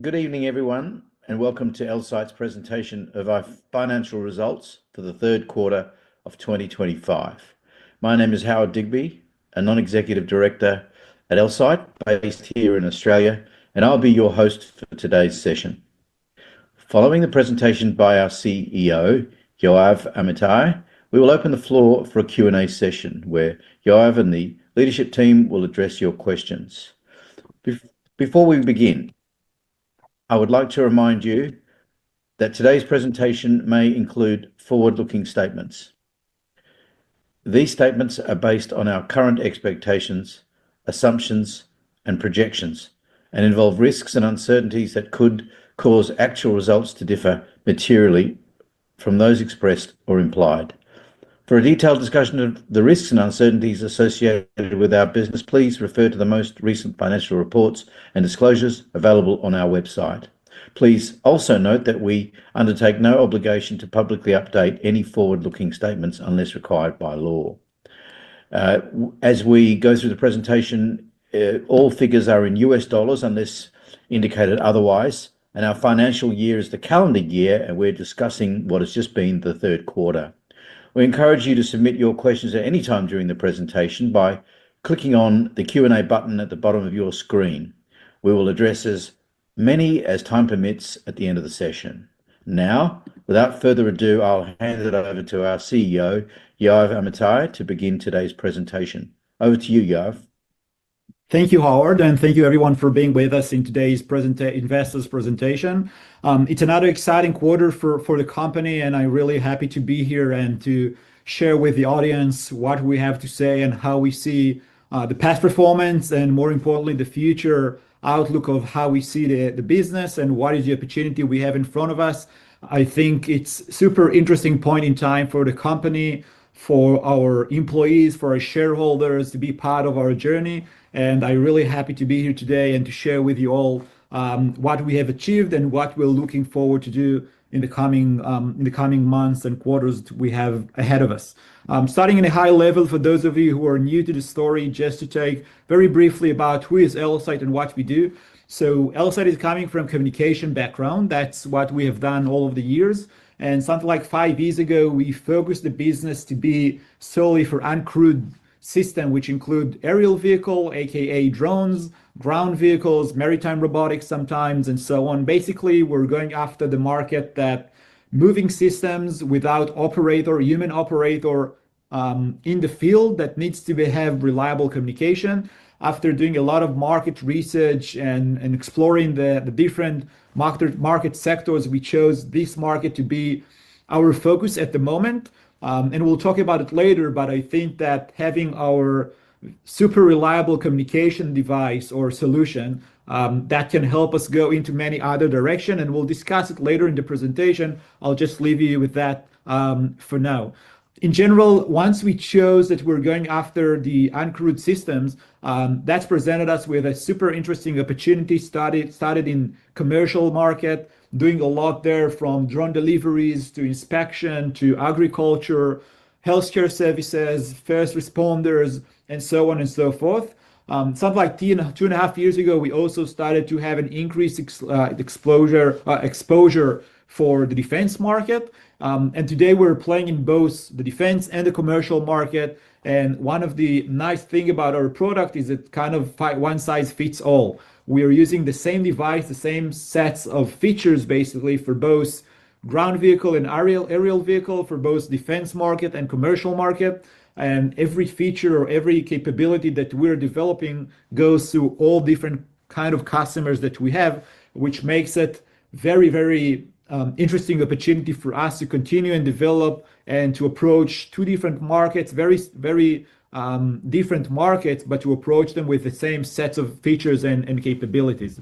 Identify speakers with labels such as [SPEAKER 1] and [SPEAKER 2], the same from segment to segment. [SPEAKER 1] Good evening, everyone, and welcome to Elsight's presentation of our financial results for the third quarter of 2025. My name is Howard Digby, a Non-Executive Director at Elsight based here in Australia, and I'll be your host for today's session. Following the presentation by our CEO, Yoav Amitai, we will open the floor for a Q&A session where Yoav and the leadership team will address your questions. Before we begin, I would like to remind you that today's presentation may include forward-looking statements. These statements are based on our current expectations, assumptions, and projections, and involve risks and uncertainties that could cause actual results to differ materially from those expressed or implied. For a detailed discussion of the risks and uncertainties associated with our business, please refer to the most recent financial reports and disclosures available on our website. Please also note that we undertake no obligation to publicly update any forward-looking statements unless required by law. As we go through the presentation, all figures are in U.S. dollars unless indicated otherwise, and our financial year is the calendar year, and we're discussing what has just been the third quarter. We encourage you to submit your questions at any time during the presentation by clicking on the Q&A button at the bottom of your screen. We will address as many as time permits at the end of the session. Now, without further ado, I'll hand it over to our CEO, Yoav Amitai, to begin today's presentation. Over to you, Yoav.
[SPEAKER 2] Thank you, Howard, and thank you, everyone, for being with us in today's investors' presentation. It's another exciting quarter for the company, and I'm really happy to be here and to share with the audience what we have to say and how we see the past performance and, more importantly, the future outlook of how we see the business and what is the opportunity we have in front of us. I think it's a super interesting point in time for the company, for our employees, for our shareholders to be part of our journey, and I'm really happy to be here today and to share with you all what we have achieved and what we're looking forward to do in the coming months and quarters we have ahead of us. Starting at a high level for those of you who are new to the story, just to talk very briefly about who is Elsight and what we do. Elsight is coming from a communication background. That's what we have done all of the years. Something like five years ago, we focused the business solely on an uncrewed system, which includes aerial vehicles, a.k.a. drones, ground vehicles, maritime robotics sometimes, and so on. Basically, we're going after the market that moving systems without a human operator in the field that needs to have reliable communication. After doing a lot of market research and exploring the different market sectors, we chose this market to be our focus at the moment. We'll talk about it later, but I think that having our super reliable communication device or solution that can help us go into many other directions, and we'll discuss it later in the presentation. I'll just leave you with that for now. In general, once we chose that we're going after the uncrewed systems, that's presented us with a super interesting opportunity. Started in the commercial market, doing a lot there from drone deliveries to inspection to agriculture, healthcare services, first responders, and so on and so forth. Something like two and a half years ago, we also started to have an increased exposure for the defense market. Today, we're playing in both the defense and the commercial market. One of the nice things about our product is it kind of one size fits all. We are using the same device, the same sets of features, basically, for both ground vehicle and aerial vehicle, for both the defense market and commercial market. Every feature or every capability that we're developing goes to all different kinds of customers that we have, which makes it a very, very interesting opportunity for us to continue and develop and to approach two different markets, very, very different markets, but to approach them with the same sets of features and capabilities.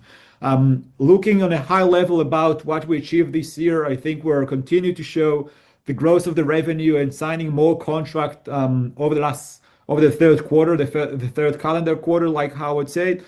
[SPEAKER 2] Looking on a high level about what we achieved this year, I think we're continuing to show the growth of the revenue and signing more contracts over the last, over the third quarter, the third calendar quarter, like Howard said.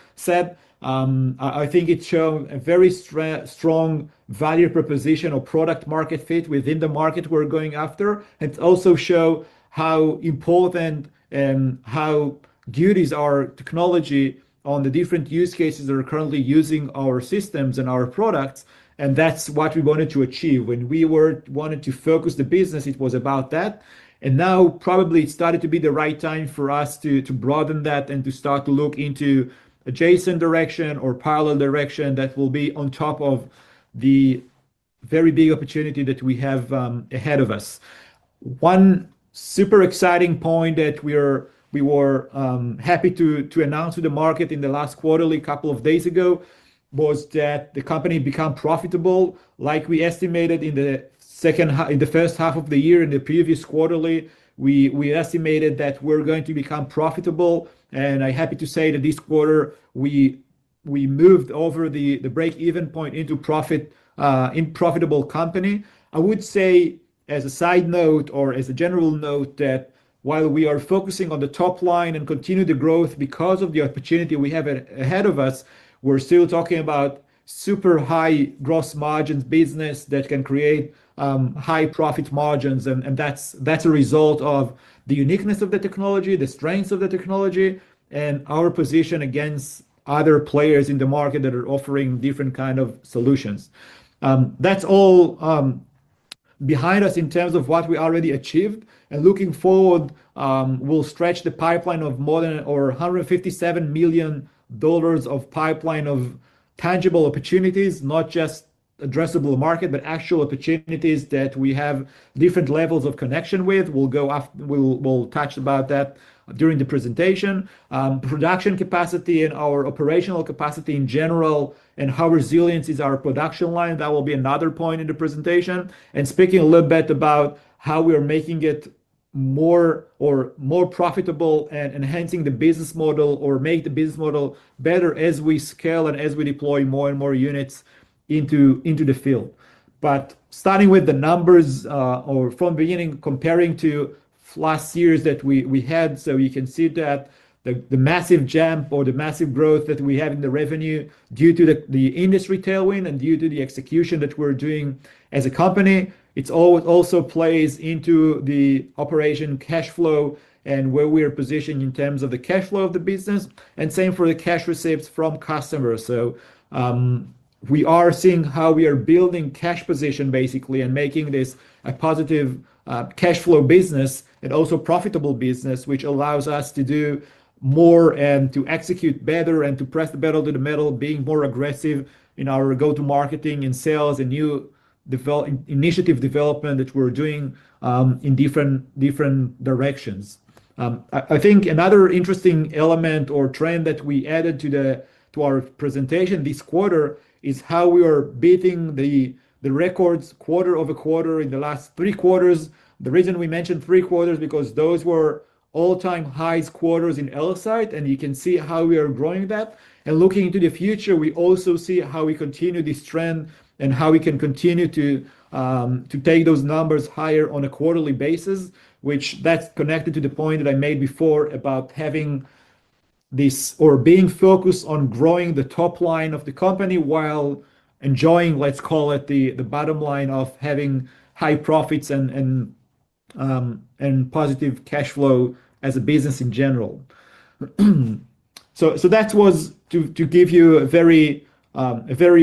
[SPEAKER 2] I think it shows a very strong value proposition or product-market fit within the market we're going after. It also shows how important and how good is our technology on the different use cases that are currently using our systems and our products. That's what we wanted to achieve. When we wanted to focus the business, it was about that. Now, probably, it started to be the right time for us to broaden that and to start to look into adjacent direction or parallel direction that will be on top of the very big opportunity that we have ahead of us. One super exciting point that we were happy to announce to the market in the last quarterly a couple of days ago was that the company became profitable. Like we estimated in the second half, in the first half of the year in the previous quarterly, we estimated that we're going to become profitable. I'm happy to say that this quarter, we moved over the break-even point into a profitable company. I would say, as a side note or as a general note, that while we are focusing on the top line and continue the growth because of the opportunity we have ahead of us, we're still talking about super high gross margins business that can create high profit margins. That's a result of the uniqueness of the technology, the strengths of the technology, and our position against other players in the market that are offering different kinds of solutions. That's all behind us in terms of what we already achieved. Looking forward, we'll stretch the pipeline of more than $157 million of pipeline of tangible opportunities, not just addressable market, but actual opportunities that we have different levels of connection with. We'll go after, we'll touch about that during the presentation. Production capacity and our operational capacity in general, and how resilient is our production line, that will be another point in the presentation. Speaking a little bit about how we are making it more profitable and enhancing the business model or making the business model better as we scale and as we deploy more and more units into the field. Starting with the numbers or from the beginning, comparing to last years that we had, you can see the massive jump or the massive growth that we have in the revenue due to the industry tailwind and due to the execution that we're doing as a company. It also plays into the operational cash flow and where we are positioned in terms of the cash flow of the business. The same for the cash receipts from customers. We are seeing how we are building cash position, basically, and making this a positive cash flow business and also profitable business, which allows us to do more and to execute better and to press the battle to the metal, being more aggressive in our go-to marketing and sales and new initiative development that we're doing in different directions. I think another interesting element or trend that we added to our presentation this quarter is how we are beating the records quarter-over-quarter in the last three quarters. The reason we mentioned three quarters is because those were all-time highest quarters in Elsight, and you can see how we are growing that. Looking into the future, we also see how we continue this trend and how we can continue to take those numbers higher on a quarterly basis, which is connected to the point that I made before about having this or being focused on growing the top line of the company while enjoying, let's call it, the bottom line of having high profits and positive cash flow as a business in general. That was to give you a very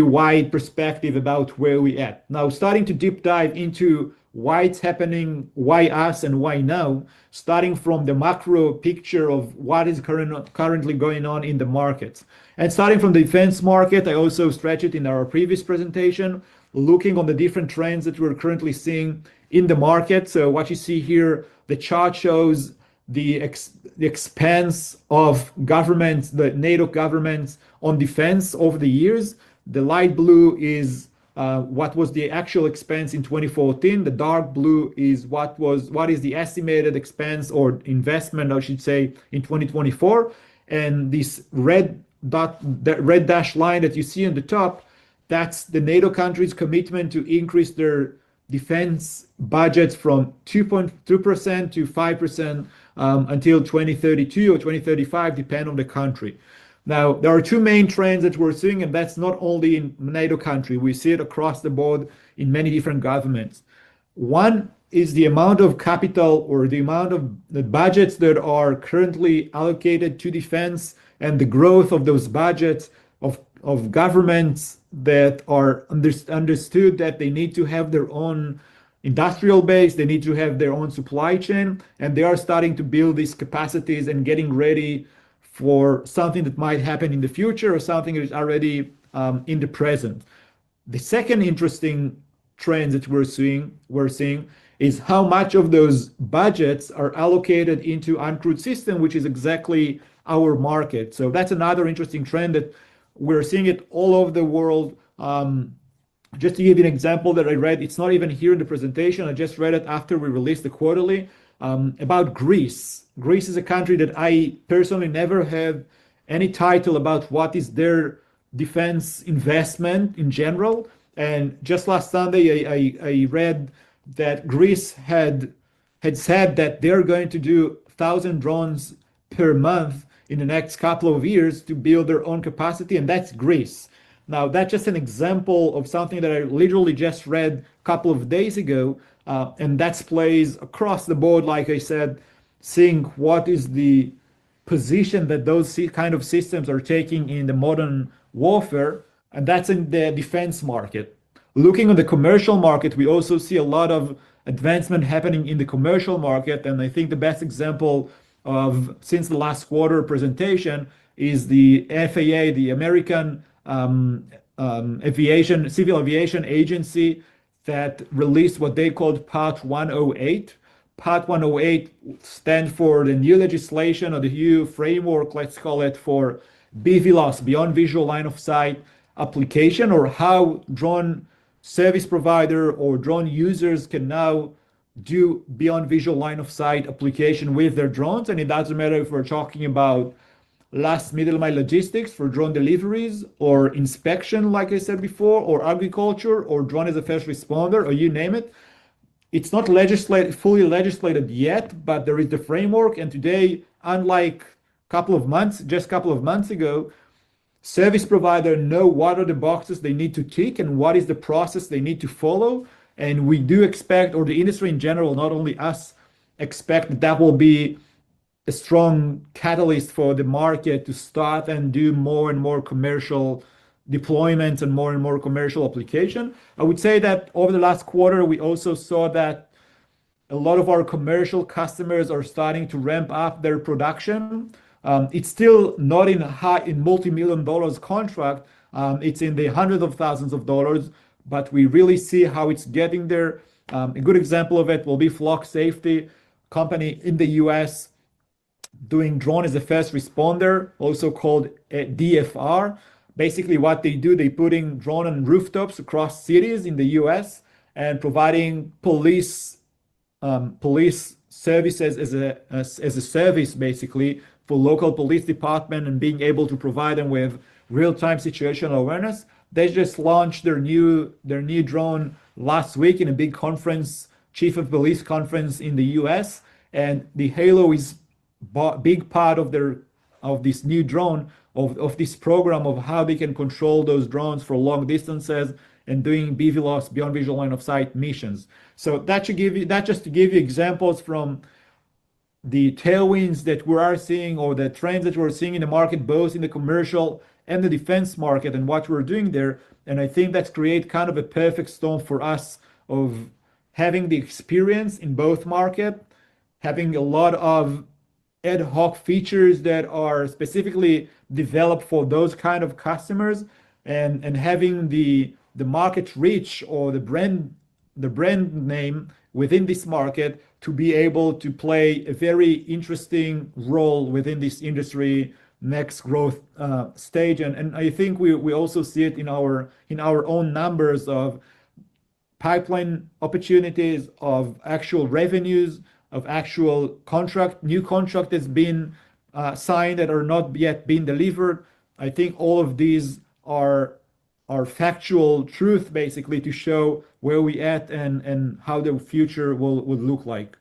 [SPEAKER 2] wide perspective about where we're at. Now, starting to deep dive into why it's happening, why us, and why now, starting from the macro picture of what is currently going on in the markets. Starting from the defense market, I also stressed it in our previous presentation, looking at the different trends that we're currently seeing in the markets. What you see here, the chart shows the expense of governments, the NATO governments on defense over the years. The light blue is what was the actual expense in 2014. The dark blue is what is the estimated expense or investment, I should say, in 2024. This red dashed line that you see on the top, that's the NATO countries' commitment to increase their defense budgets from 2.2% to 5% until 2032 or 2035, depending on the country. There are two main trends that we're seeing, and that's not only in NATO countries. We see it across the board in many different governments. One is the amount of capital or the amount of the budgets that are currently allocated to defense and the growth of those budgets of governments that are understood that they need to have their own industrial base, they need to have their own supply chain, and they are starting to build these capacities and getting ready for something that might happen in the future or something that is already in the present. The second interesting trend that we're seeing is how much of those budgets are allocated into uncrewed systems, which is exactly our market. That's another interesting trend that we're seeing all over the world. Just to give you an example that I read, it's not even here in the presentation. I just read it after we released the quarterly about Greece. Greece is a country that I personally never have any title about what is their defense investment in general. Just last Sunday, I read that Greece had said that they're going to do 1,000 drones per month in the next couple of years to build their own capacity, and that's Greece. That's just an example of something that I literally just read a couple of days ago, and that plays across the board, like I said, seeing what is the position that those kinds of systems are taking in the modern warfare, and that's in the defense market. Looking on the commercial market, we also see a lot of advancement happening in the commercial market. I think the best example since the last quarter presentation is the FAA, the American Civil Aviation Agency, that released what they called Part 108. Part 108 stands for the new legislation or the new framework, let's call it, for BVLOS, Beyond Visual Line of Sight application, or how drone service providers or drone users can now do beyond visual line of sight application with their drones. It doesn't matter if we're talking about last-mile logistics for drone deliveries or inspection, like I said before, or agriculture, or drone as a first responder, or you name it. It's not fully legislated yet, but there is the framework. Today, unlike just a couple of months ago, service providers know what are the boxes they need to tick and what is the process they need to follow. We do expect, or the industry in general, not only us, expect that that will be a strong catalyst for the market to start and do more and more commercial deployments and more and more commercial applications. I would say that over the last quarter, we also saw that a lot of our commercial customers are starting to ramp up their production. It's still not in a high in multi-million dollar contract. It's in the hundreds of thousands of dollars, but we really see how it's getting there. A good example of it will be Flock Safety, a company in the U.S. doing drone as a first responder, also called DFR. Basically, what they do, they put in drone on rooftops across cities in the U.S. and provide police services as a service, basically, for local police departments and being able to provide them with real-time situational awareness. They just launched their new drone last week in a big conference, Chief of Police Conference in the U.S. The Halo is a big part of this new drone, of this program of how we can control those drones for long distances and doing BVLOS, Beyond Visual Line of Sight missions. That should give you, just to give you examples from the tailwinds that we are seeing or the trends that we're seeing in the market, both in the commercial and the defense market and what we're doing there. I think that's created kind of a perfect storm for us of having the experience in both markets, having a lot of ad hoc features that are specifically developed for those kinds of customers, and having the market reach or the brand name within this market to be able to play a very interesting role within this industry next growth stage. I think we also see it in our own numbers of pipeline opportunities, of actual revenues, of actual new contracts that have been signed that are not yet being delivered. I think all of these are factual truths, basically, to show where we're at and how the future will look like.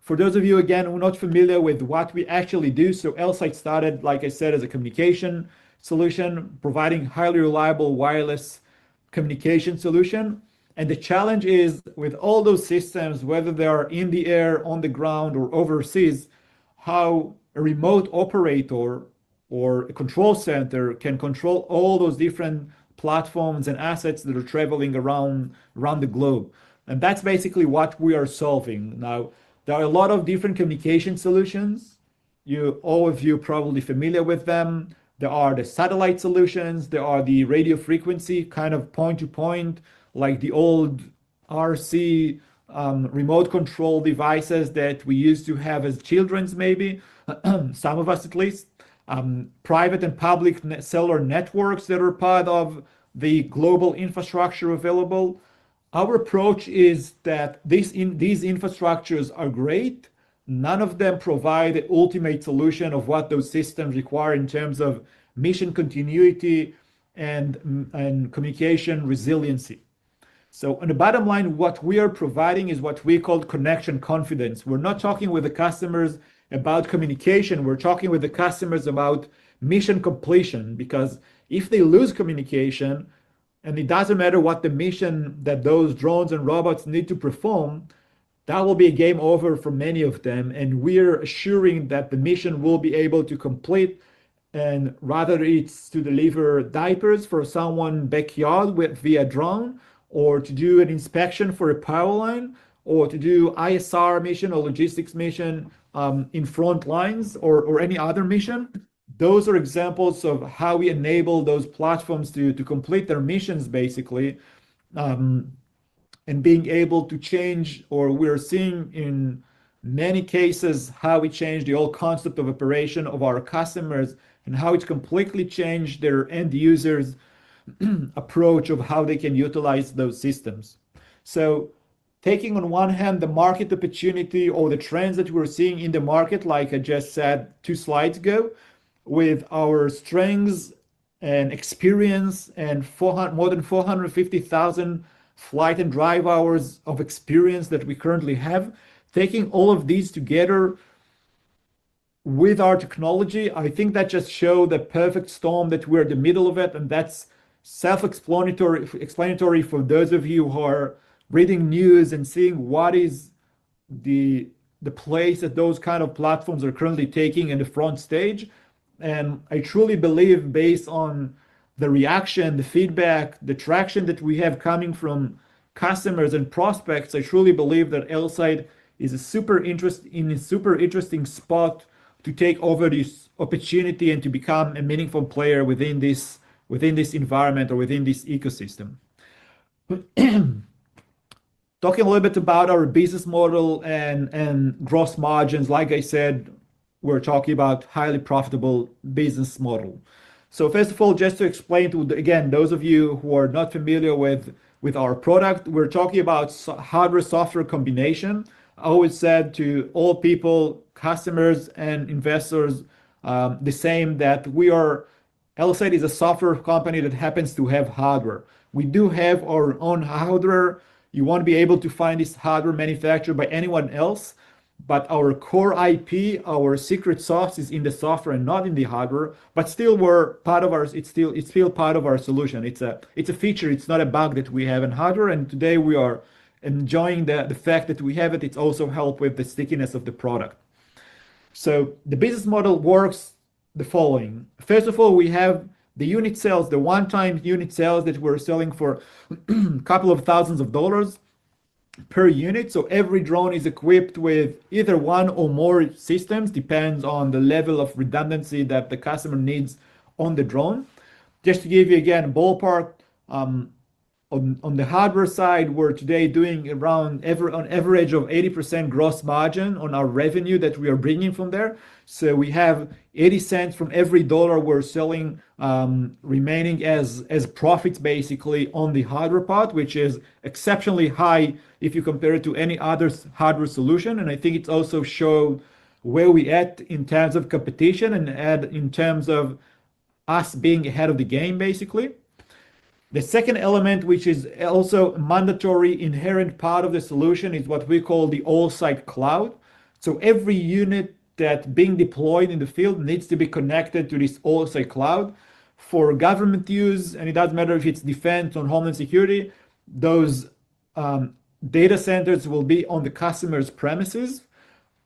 [SPEAKER 2] For those of you, again, who are not familiar with what we actually do, Elsight started, like I said, as a communication solution, providing highly reliable wireless communication solutions. The challenge is, with all those systems, whether they are in the air, on the ground, or overseas, how a remote operator or a control center can control all those different platforms and assets that are traveling around the globe. That's basically what we are solving. There are a lot of different communication solutions. All of you are probably familiar with them. There are the satellite solutions. There are the radio frequency kind of point-to-point, like the old RC remote control devices that we used to have as children, maybe, some of us at least, private and public cellular networks that are part of the global infrastructure available. Our approach is that these infrastructures are great. None of them provide the ultimate solution of what those systems require in terms of mission continuity and communication resiliency. On the bottom line, what we are providing is what we call connection confidence. We're not talking with the customers about communication. We're talking with the customers about mission completion because if they lose communication, and it doesn't matter what the mission that those drones and robots need to perform, that will be a game over for many of them. We're assuring that the mission will be able to complete. Rather, it's to deliver diapers for someone's backyard via drone, or to do an inspection for a power line, or to do ISR mission or logistics mission in front lines, or any other mission. Those are examples of how we enable those platforms to complete their missions, basically, and being able to change, or we're seeing in many cases how we change the whole concept of operation of our customers and how it completely changes their end users' approach of how they can utilize those systems. Taking on one hand the market opportunity or the trends that we're seeing in the market, like I just said two slides ago, with our strengths and experience and more than 450,000 flight and drive hours of experience that we currently have, taking all of these together with our technology, I think that just shows the perfect storm that we're in the middle of it. That's self-explanatory for those of you who are reading news and seeing what is the place that those kinds of platforms are currently taking in the front stage. I truly believe, based on the reaction, the feedback, the traction that we have coming from customers and prospects, I truly believe that Elsight is in a super interesting spot to take over this opportunity and to become a meaningful player within this environment or within this ecosystem. Talking a little bit about our business model and gross margins, like I said, we're talking about a highly profitable business model. First of all, just to explain to, again, those of you who are not familiar with our product, we're talking about hardware-software combination. I always said to all people, customers, and investors, the same, that Elsight is a software company that happens to have hardware. We do have our own hardware. You won't be able to find this hardware manufactured by anyone else, but our core IP, our secret sauce, is in the software and not in the hardware. Still, it's part of our solution. It's a feature. It's not a bug that we have in hardware. Today, we are enjoying the fact that we have it. It's also helped with the stickiness of the product. The business model works the following. First of all, we have the unit sales, the one-time unit sales that we're selling for a couple of thousands of dollars per unit. Every drone is equipped with either one or more systems, depends on the level of redundancy that the customer needs on the drone. Just to give you, again, a ballpark, on the hardware side, we're today doing around, on average, 80% gross margin on our revenue that we are bringing from there. We have $0.80 from every dollar we're selling remaining as profits, basically, on the hardware part, which is exceptionally high if you compare it to any other hardware solution. I think it also shows where we're at in terms of competition and in terms of us being ahead of the game, basically. The second element, which is also a mandatory inherent part of the solution, is what we call the AllSight Cloud. Every unit that's being deployed in the field needs to be connected to this AllSight Cloud for government use. It doesn't matter if it's defense or homeland security. Those data centers will be on the customer's premises.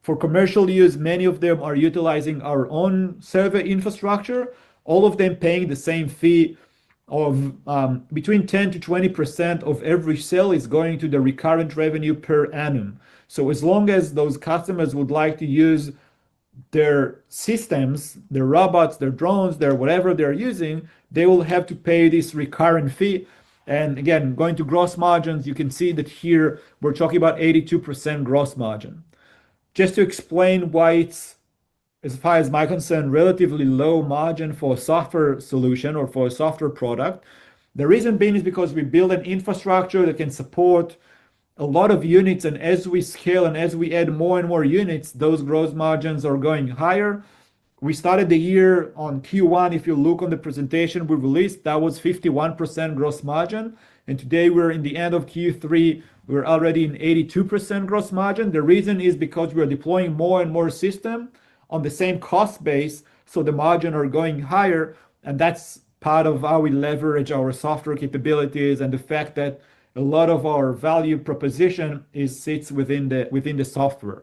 [SPEAKER 2] For commercial use, many of them are utilizing our own server infrastructure, all of them paying the same fee of between 10%-20% of every sale is going to the recurrent revenue per annum. As long as those customers would like to use their systems, their robots, their drones, whatever they're using, they will have to pay this recurring fee. Again, going to gross margins, you can see that here we're talking about 82% gross margin. Just to explain why it's, as far as my concern, relatively low margin for a software solution or for a software product. The reason being is because we build an infrastructure that can support a lot of units. As we scale and as we add more and more units, those gross margins are going higher. We started the year on Q1. If you look on the presentation we released, that was 51% gross margin. Today, we're in the end of Q3. We're already in 82% gross margin. The reason is because we're deploying more and more systems on the same cost base. The margins are going higher. That's part of how we leverage our software capabilities and the fact that a lot of our value proposition sits within the software.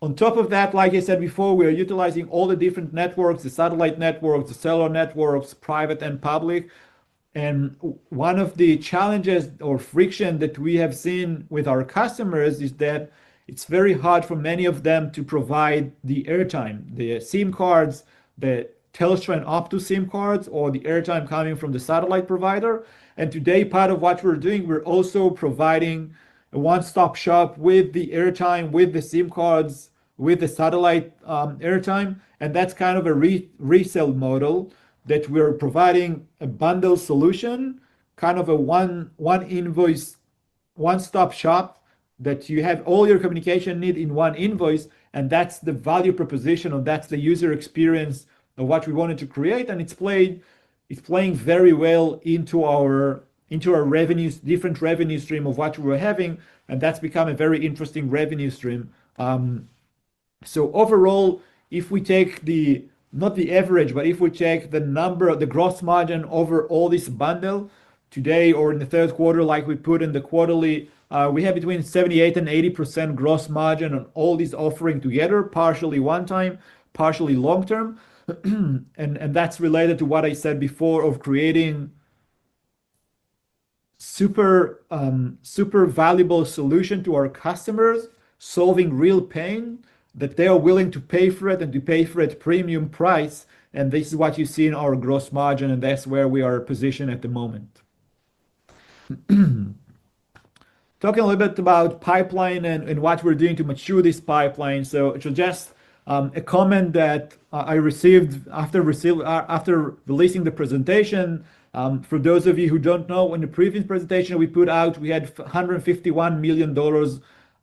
[SPEAKER 2] On top of that, like I said before, we are utilizing all the different networks, the satellite networks, the cellular networks, private and public. One of the challenges or frictions that we have seen with our customers is that it's very hard for many of them to provide the airtime, the SIM cards, the Telstra and Optus SIM cards, or the airtime coming from the satellite provider. Today, part of what we're doing, we're also providing a one-stop shop with the airtime, with the SIM cards, with the satellite airtime. That's kind of a resale model that we're providing a bundle solution, kind of a one-stop shop that you have all your communication needs in one invoice. That's the value proposition, or that's the user experience of what we wanted to create. It's playing very well into our revenues, different revenue streams of what we were having. That's become a very interesting revenue stream. Overall, if we take the, not the average, but if we take the number of the gross margin over all this bundle today or in the third quarter, like we put in the quarterly, we have between 78% and 80% gross margin on all these offerings together, partially one-time, partially long-term. That's related to what I said before of creating a super valuable solution to our customers, solving real pain that they are willing to pay for it and to pay for it at a premium price. This is what you see in our gross margin. That's where we are positioned at the moment. Talking a little bit about pipeline and what we're doing to mature this pipeline. Just a comment that I received after releasing the presentation. For those of you who don't know, in the previous presentation we put out, we had $151 million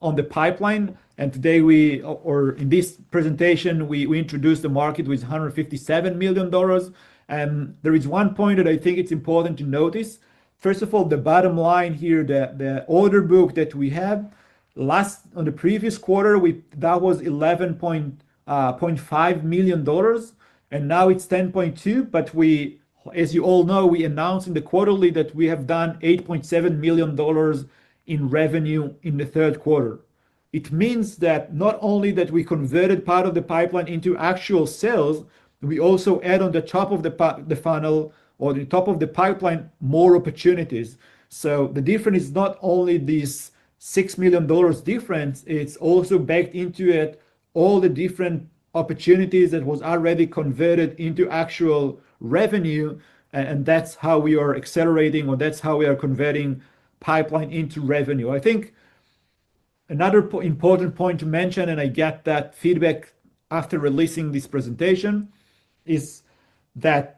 [SPEAKER 2] on the pipeline. In this presentation, we introduced the market with $157 million. There is one point that I think it's important to notice. First of all, the bottom line here, the order book that we have, last on the previous quarter, that was $11.5 million. Now it's $10.2 million. As you all know, we announced in the quarterly that we have done $8.7 million in revenue in the third quarter. It means that not only did we convert part of the pipeline into actual sales, we also add on the top of the funnel or the top of the pipeline more opportunities. The difference is not only this $6 million difference. It's also baked into it all the different opportunities that were already converted into actual revenue. That's how we are accelerating, or that's how we are converting pipeline into revenue. I think another important point to mention, and I get that feedback after releasing this presentation, is that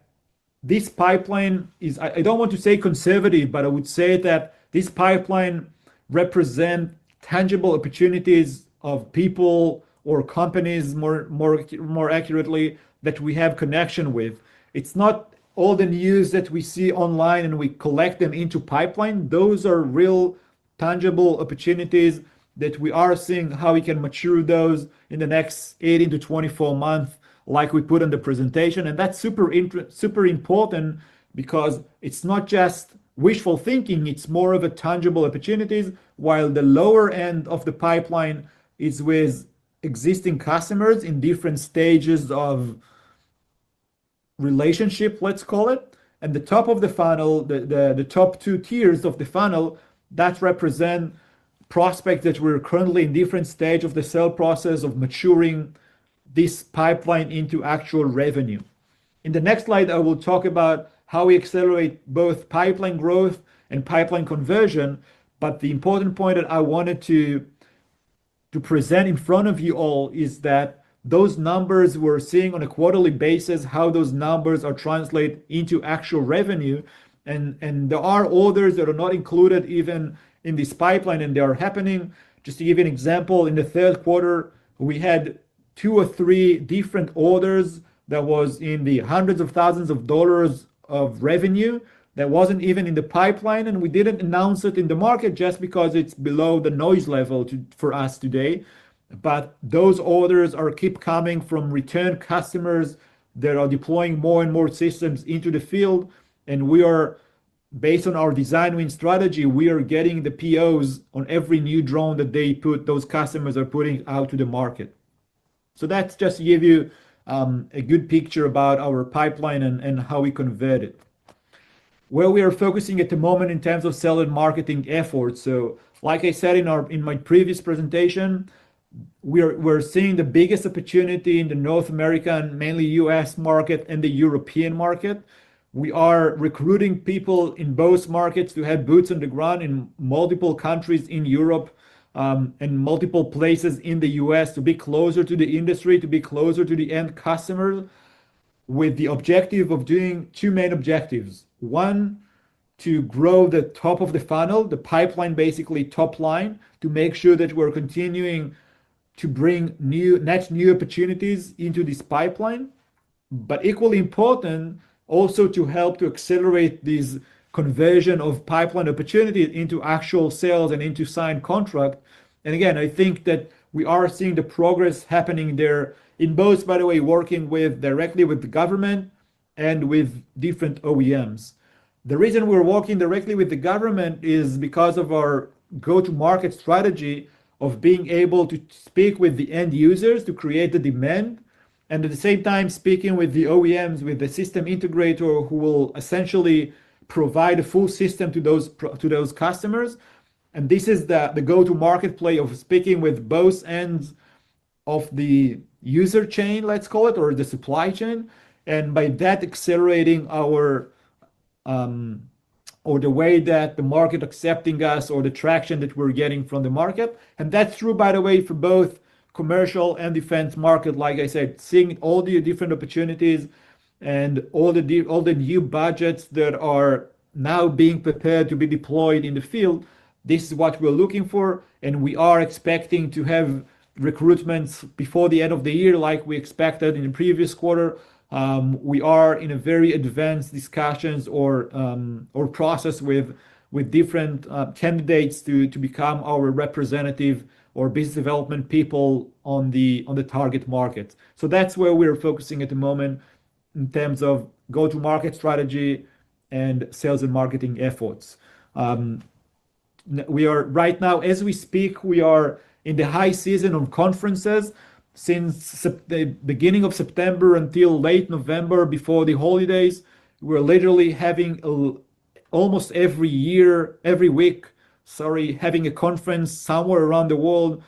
[SPEAKER 2] this pipeline is, I don't want to say conservative, but I would say that this pipeline represents tangible opportunities of people or companies, more accurately, that we have connection with. It's not all the news that we see online and we collect them into pipeline. Those are real tangible opportunities that we are seeing how we can mature those in the next 18 to 24 months, like we put in the presentation. That's super important because it's not just wishful thinking. It's more of a tangible opportunity. While the lower end of the pipeline is with existing customers in different stages of relationship, let's call it, and the top of the funnel, the top two tiers of the funnel, that represents prospects that we're currently in different stages of the sale process of maturing this pipeline into actual revenue. In the next slide, I will talk about how we accelerate both pipeline growth and pipeline conversion. The important point that I wanted to present in front of you all is that those numbers we're seeing on a quarterly basis, how those numbers translate into actual revenue. There are orders that are not included even in this pipeline, and they are happening. Just to give you an example, in the third quarter, we had two or three different orders that were in the hundreds of thousands of dollars of revenue that weren't even in the pipeline. We didn't announce it in the market just because it's below the noise level for us today. Those orders keep coming from return customers that are deploying more and more systems into the field. We are, based on our design-win strategy, getting the POs on every new drone that those customers are putting out to the market. That's just to give you a good picture about our pipeline and how we convert it. Where we are focusing at the moment in terms of selling marketing efforts, like I said in my previous presentation, we're seeing the biggest opportunity in the North America, mainly U.S. market, and the European market. We are recruiting people in both markets to have boots on the ground in multiple countries in Europe and multiple places in the U.S. to be closer to the industry, to be closer to the end customer, with the objective of doing two main objectives. One, to grow the top of the funnel, the pipeline, basically, top line, to make sure that we're continuing to bring new, net new opportunities into this pipeline. Equally important, also to help to accelerate this conversion of pipeline opportunity into actual sales and into signed contracts. I think that we are seeing the progress happening there in both, by the way, working directly with the government and with different OEMs. The reason we're working directly with the government is because of our go-to-market strategy of being able to speak with the end users to create the demand. At the same time, speaking with the OEMs, with the system integrator who will essentially provide a full system to those customers. This is the go-to-market play of speaking with both ends of the user chain, let's call it, or the supply chain. By that, accelerating our or the way that the market is accepting us or the traction that we're getting from the market. That's true, by the way, for both commercial and defense markets. Like I said, seeing all the different opportunities and all the new budgets that are now being prepared to be deployed in the field, this is what we're looking for. We are expecting to have recruitments before the end of the year, like we expected in the previous quarter. We are in very advanced discussions or processes with different candidates to become our representative or business development people on the target markets. That's where we're focusing at the moment in terms of go-to-market strategy and sales and marketing efforts. We are right now, as we speak, in the high season of conferences. Since the beginning of September until late November, before the holidays, we're literally having almost every week a conference somewhere around the world,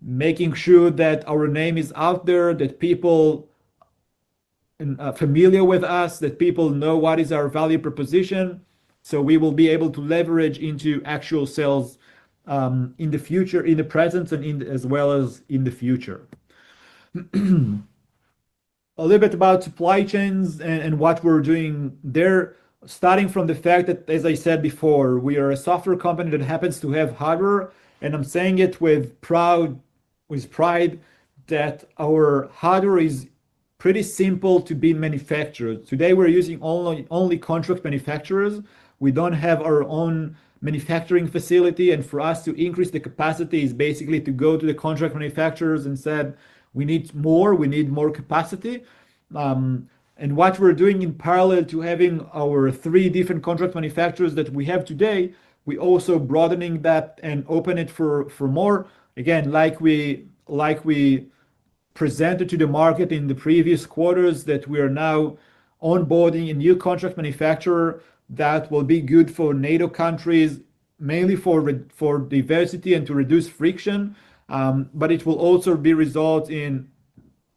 [SPEAKER 2] making sure that our name is out there, that people are familiar with us, that people know what is our value proposition. We will be able to leverage into actual sales in the future, in the present, as well as in the future. A little bit about supply chains and what we're doing there, starting from the fact that, as I said before, we are a software company that happens to have hardware. I'm saying it with pride that our hardware is pretty simple to be manufactured. Today, we're using only contract manufacturers. We don't have our own manufacturing facility. For us to increase the capacity is basically to go to the contract manufacturers and say, "We need more. We need more capacity." What we're doing in parallel to having our three different contract manufacturers that we have today, we're also broadening that and opening it for more. Like we presented to the market in the previous quarters, we are now onboarding a new contract manufacturer that will be good for NATO countries, mainly for diversity and to reduce friction. It will also result in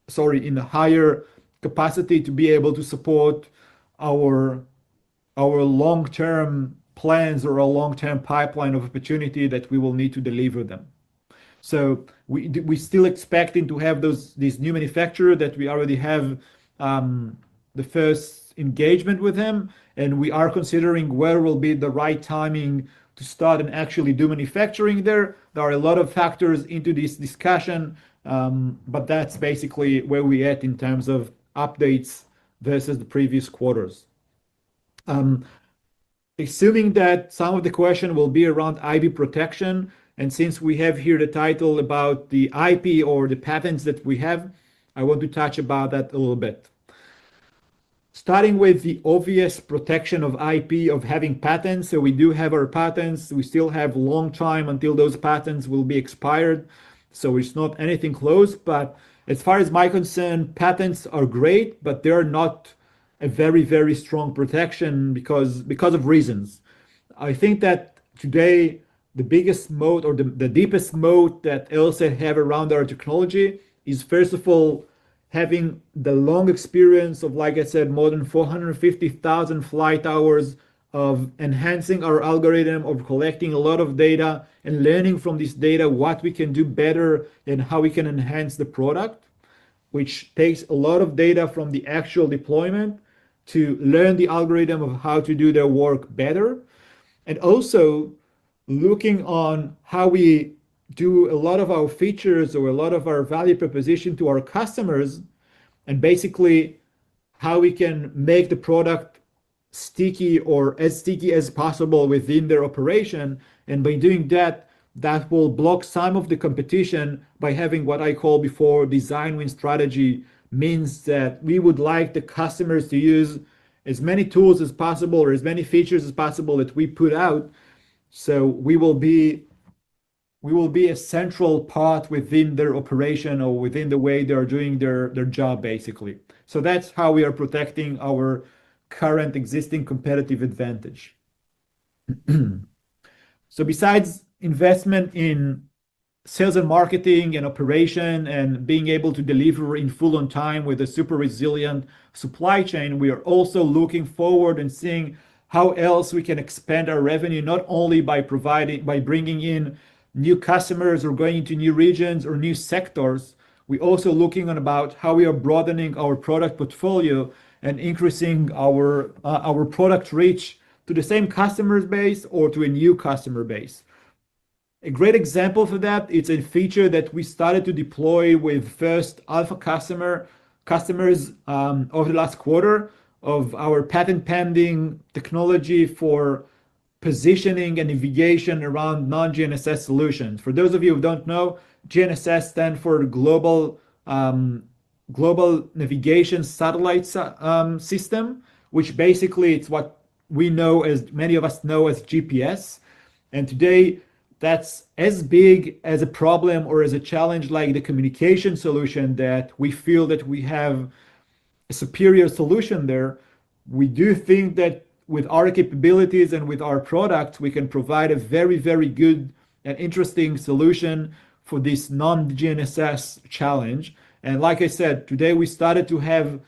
[SPEAKER 2] a higher capacity to be able to support our long-term plans or our long-term pipeline of opportunity that we will need to deliver them. We're still expecting to have these new manufacturers that we already have the first engagement with them. We are considering where will be the right timing to start and actually do manufacturing there. There are a lot of factors into this discussion. That's basically where we're at in terms of updates versus the previous quarters. Assuming that some of the questions will be around IP protection, and since we have here the title about the IP or the patents that we have, I want to touch about that a little bit. Starting with the obvious protection of IP of having patents. We do have our patents. We still have a long time until those patents will be expired. It's not anything close. As far as my concern, patents are great, but they're not a very, very strong protection because of reasons. I think that today, the biggest moat or the deepest moat that Elsight has around our technology is, first of all, having the long experience of, like I said, more than 450,000 flight hours of enhancing our algorithm, of collecting a lot of data and learning from this data what we can do better and how we can enhance the product, which takes a lot of data from the actual deployment to learn the algorithm of how to do their work better. Also, looking on how we do a lot of our features or a lot of our value proposition to our customers and basically how we can make the product sticky or as sticky as possible within their operation. By doing that, that will block some of the competition by having what I called before design-win strategy, means that we would like the customers to use as many tools as possible or as many features as possible that we put out. We will be a central part within their operation or within the way they are doing their job, basically. That's how we are protecting our current existing competitive advantage. Besides investment in sales and marketing and operation and being able to deliver in full on time with a super resilient supply chain, we are also looking forward and seeing how else we can expand our revenue, not only by bringing in new customers or going into new regions or new sectors. We're also looking at how we are broadening our product portfolio and increasing our product reach to the same customer base or to a new customer base. A great example for that is a feature that we started to deploy with the first Alpha customers over the last quarter of our patent-pending technology for positioning and navigation around non-GNSS solutions. For those of you who don't know, GNSS stands for Global Navigation Satellite System, which basically is what we know, as many of us know, as GPS. Today, that's as big as a problem or as a challenge like the communication solution that we feel that we have a superior solution there. We do think that with our capabilities and with our products, we can provide a very, very good and interesting solution for this non-GNSS challenge. Like I said, today we started to have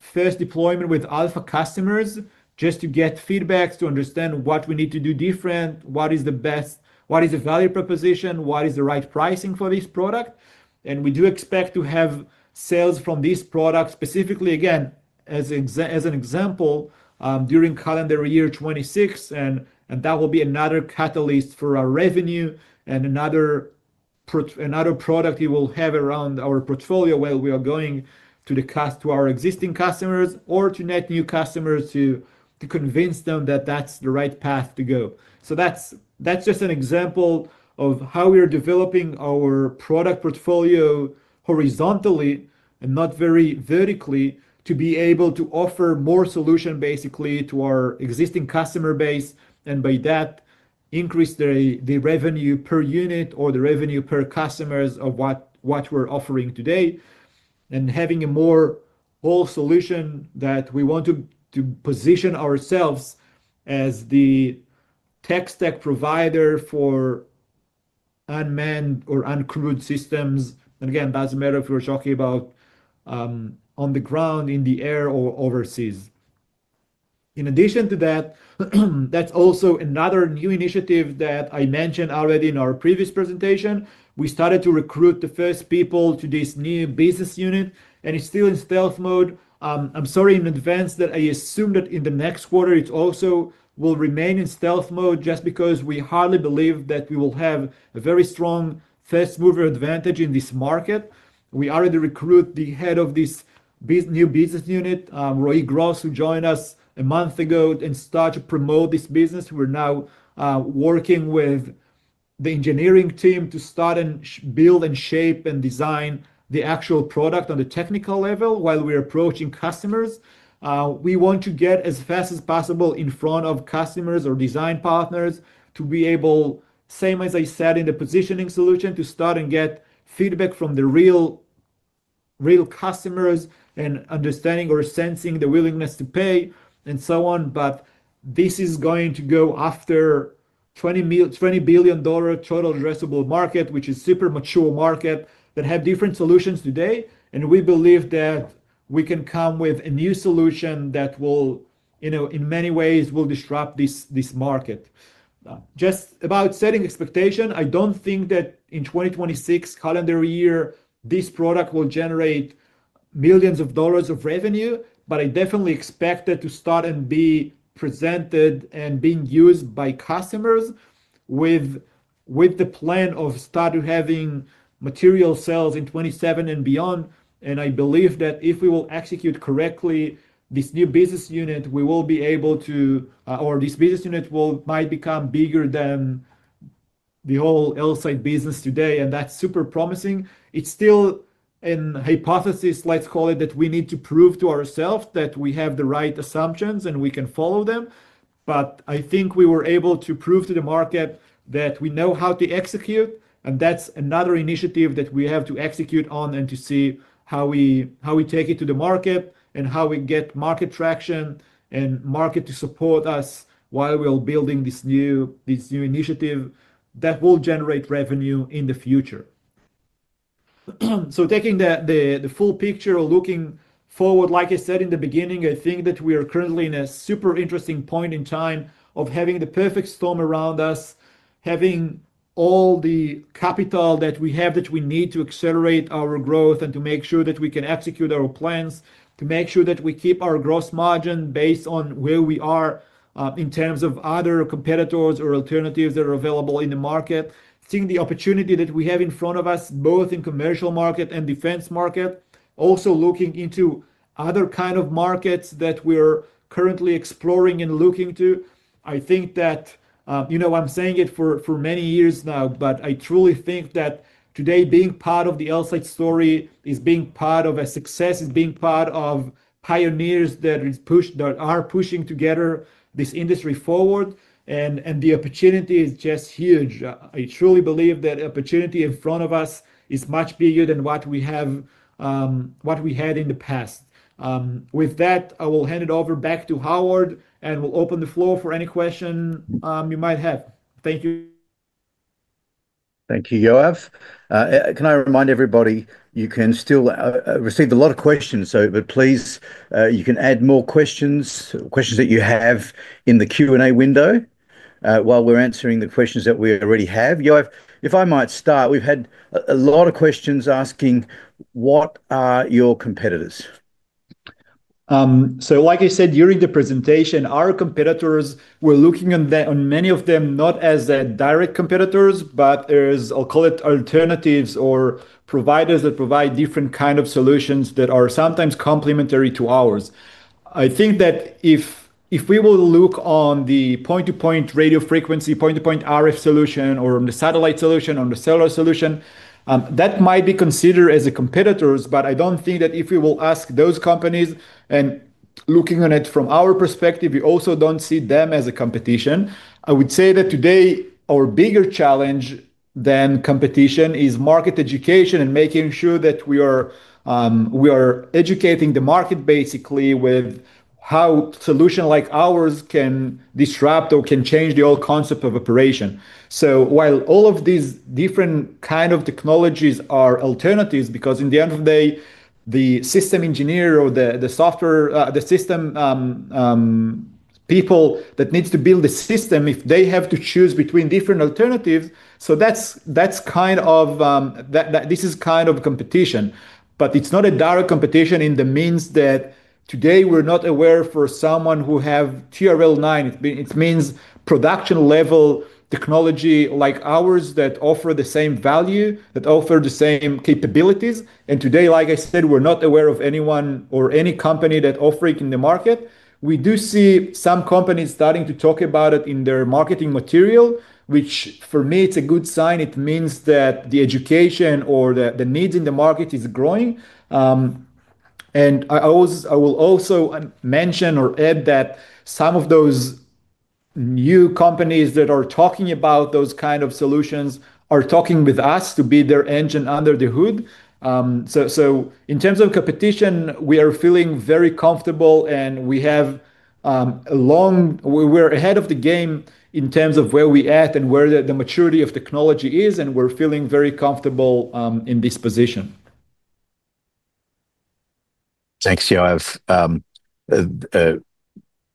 [SPEAKER 2] first deployment with Alpha customers just to get feedback to understand what we need to do different, what is the best, what is the value proposition, what is the right pricing for this product. We do expect to have sales from this product specifically, again, as an example, during calendar year 2026. That will be another catalyst for our revenue and another product we will have around our portfolio while we are going to our existing customers or to net new customers to convince them that that's the right path to go. That is just an example of how we are developing our product portfolio horizontally and not very vertically to be able to offer more solutions, basically, to our existing customer base. By that, increase the revenue per unit or the revenue per customer of what we're offering today. Having a more whole solution, we want to position ourselves as the tech stack provider for unmanned or uncrewed systems. It doesn't matter if we're talking about on the ground, in the air, or overseas. In addition to that, that's also another new initiative that I mentioned already in our previous presentation. We started to recruit the first people to this new business unit. It's still in stealth mode. I'm sorry in advance that I assume that in the next quarter, it also will remain in stealth mode just because we hardly believe that we will have a very strong first-mover advantage in this market. We already recruited the head of this new business unit, Roie Gross, who joined us a month ago and started to promote this business. We're now working with the engineering team to start and build and shape and design the actual product on the technical level while we're approaching customers. We want to get as fast as possible in front of customers or design partners to be able, same as I said in the positioning solution, to start and get feedback from the real customers and understanding or sensing the willingness to pay and so on. This is going to go after a $20 billion total addressable market, which is a super mature market that has different solutions today. We believe that we can come with a new solution that will, you know, in many ways, disrupt this market. Just about setting expectations, I don't think that in 2026 calendar year, this product will generate millions of dollars of revenue. I definitely expect it to start and be presented and being used by customers with the plan of starting having material sales in 2027 and beyond. I believe that if we will execute correctly this new business unit, we will be able to, or this business unit might become bigger than the whole Elsight business today. That's super promising. It's still a hypothesis, let's call it, that we need to prove to ourselves that we have the right assumptions and we can follow them. I think we were able to prove to the market that we know how to execute. That's another initiative that we have to execute on and to see how we take it to the market and how we get market traction and market to support us while we're building this new initiative that will generate revenue in the future. Taking the full picture or looking forward, like I said in the beginning, I think that we are currently in a super interesting point in time of having the perfect storm around us, having all the capital that we have that we need to accelerate our growth and to make sure that we can execute our plans, to make sure that we keep our gross margin based on where we are in terms of other competitors or alternatives that are available in the market. Seeing the opportunity that we have in front of us, both in the commercial market and defense market, also looking into other kinds of markets that we're currently exploring and looking to. I think that, you know, I'm saying it for many years now, but I truly think that today, being part of the Elsight story is being part of a success, is being part of pioneers that are pushing together this industry forward. The opportunity is just huge. I truly believe that the opportunity in front of us is much bigger than what we had in the past. With that, I will hand it over back to Howard and will open the floor for any questions you might have. Thank you.
[SPEAKER 1] Thank you, Yoav. Can I remind everybody, you can still receive a lot of questions, but please, you can add more questions, questions that you have in the Q&A window while we're answering the questions that we already have. Yoav, if I might start, we've had a lot of questions asking, what are your competitors?
[SPEAKER 2] Like I said during the presentation, our competitors, we're looking on many of them not as direct competitors, but as, I'll call it, alternatives or providers that provide different kinds of solutions that are sometimes complementary to ours. I think that if we look on the point-to-point radio frequency, point-to-point RF solution, or on the satellite solution, on the cellular solution, that might be considered as competitors. I don't think that if we ask those companies, and looking at it from our perspective, we also don't see them as a competition. I would say that today, our bigger challenge than competition is market education and making sure that we are educating the market, basically, with how solutions like ours can disrupt or can change the whole concept of operation. While all of these different kinds of technologies are alternatives, because at the end of the day, the system engineer or the system people that need to build the system, if they have to choose between different alternatives, that's kind of, this is kind of a competition. It's not a direct competition in the sense that today we're not aware of someone who has TRL 9. It means production-level technology like ours that offer the same value, that offer the same capabilities. Today, like I said, we're not aware of anyone or any company that's offering in the market. We do see some companies starting to talk about it in their marketing material, which for me, it's a good sign. It means that the education or the needs in the market are growing. I will also mention or add that some of those new companies that are talking about those kinds of solutions are talking with us to be their engine under the hood. In terms of competition, we are feeling very comfortable and we have a long, we're ahead of the game in terms of where we're at and where the maturity of technology is. We're feeling very comfortable in this position.
[SPEAKER 1] Thanks, Yoav.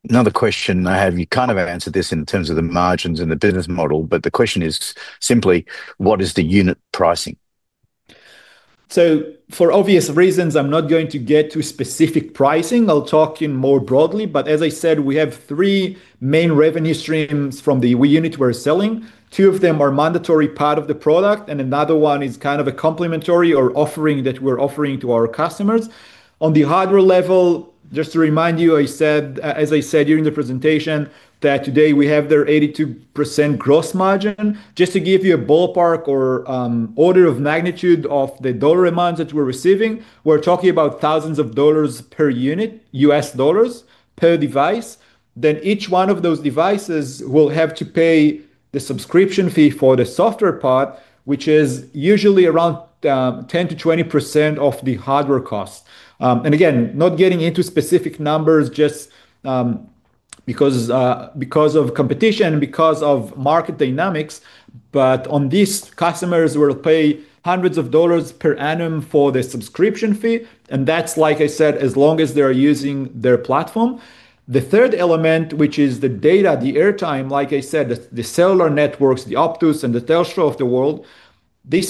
[SPEAKER 1] Another question I have, you kind of answered this in terms of the margins and the business model, but the question is simply, what is the unit pricing?
[SPEAKER 2] For obvious reasons, I'm not going to get to specific pricing. I'll talk more broadly. As I said, we have three main revenue streams from the unit we're selling. Two of them are mandatory parts of the product, and another one is kind of a complementary offering that we're offering to our customers. On the hardware level, just to remind you, as I said during the presentation, today we have the 82% gross margin. Just to give you a ballpark or order of magnitude of the dollar amounts that we're receiving, we're talking about thousands of dollars per unit, U.S. dollars, per device. Each one of those devices will have to pay the subscription fee for the software part, which is usually around 10%-20% of the hardware costs. Not getting into specific numbers just because of competition and because of market dynamics. On these customers, we'll pay hundreds of dollars per annum for the subscription fee. That's, like I said, as long as they are using their platform. The third element, which is the data, the airtime, like I said, the cellular networks, the Optus, and the Telstra of the world, there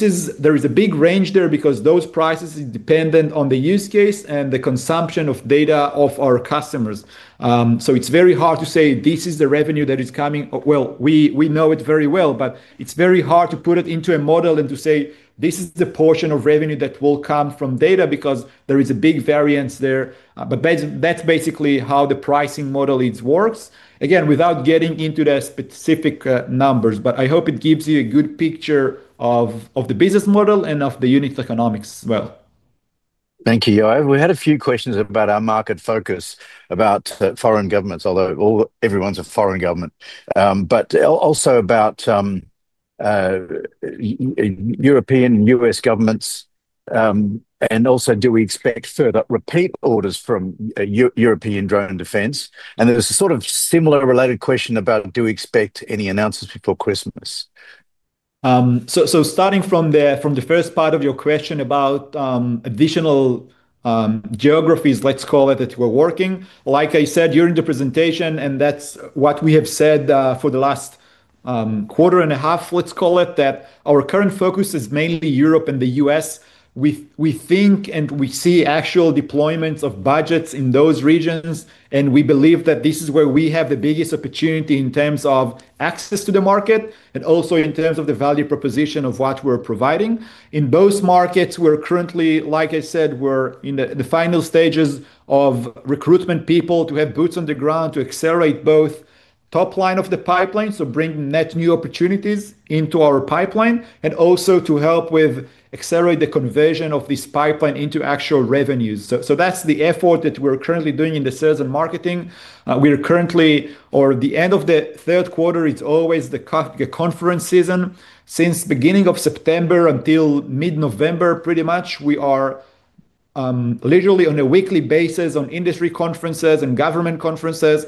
[SPEAKER 2] is a big range there because those prices are dependent on the use case and the consumption of data of our customers. It is very hard to say this is the revenue that is coming. We know it very well, but it's very hard to put it into a model and to say this is the portion of revenue that will come from data because there is a big variance there. That's basically how the pricing model works, again, without getting into the specific numbers. I hope it gives you a good picture of the business model and of the unit economics as well.
[SPEAKER 1] Thank you, Yoav. We had a few questions about our market focus, about foreign governments, although everyone's a foreign government, but also about European and U.S. Governments. Also, do we expect further repeat orders from European drone defense? There's a sort of similar related question about do we expect any announcements before Christmas?
[SPEAKER 2] Starting from the first part of your question about additional geographies, let's call it, that we're working, like I said during the presentation, and that's what we have said for the last quarter and a half, let's call it, that our current focus is mainly Europe and the U.S. We think and we see actual deployments of budgets in those regions. We believe that this is where we have the biggest opportunity in terms of access to the market and also in terms of the value proposition of what we're providing. In those markets, like I said, we're in the final stages of recruiting people to have boots on the ground to accelerate both top line of the pipeline, bringing net new opportunities into our pipeline, and also to help accelerate the conversion of this pipeline into actual revenues. That's the effort that we're currently doing in the sales and marketing. We are currently, or the end of the third quarter, it's always the conference season. Since the beginning of September until mid-November, pretty much, we are literally on a weekly basis on industry conferences and government conferences,